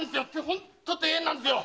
本当に大変なんですよ！